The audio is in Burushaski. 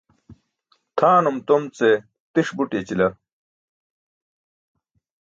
Tʰaanum tom ce tiṣ but yaćila.